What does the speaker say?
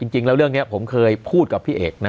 จริงแล้วเรื่องนี้ผมเคยพูดกับพี่เอกนะ